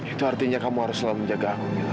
itu artinya kamu harus selalu menjaga aku mila